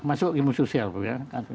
masuk ilmu sosial bu